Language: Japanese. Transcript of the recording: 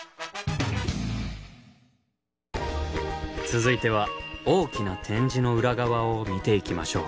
続いては大きな展示の裏側を見ていきましょう。